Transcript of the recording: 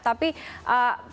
tapi faktor pendukung